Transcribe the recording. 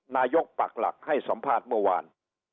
นายกปักหลักให้สัมภาษณ์เมื่อวาน